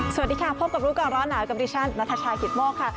สวัสดีค่ะพบกับรูปกรรมร้อนหนาวดิชั่นนัทชายขิดโมกค่ะ